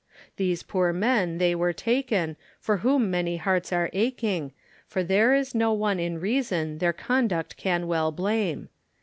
Those poor men they were taken, for whom many hearts are aching, For there is no one in reason their conduct can well blame.